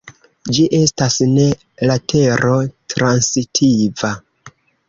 Ĝi estas ne latero-transitiva.